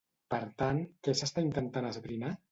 Per tant, què s'està intentant esbrinar?